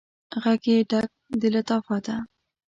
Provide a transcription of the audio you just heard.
ږغ یې ډک د لطافته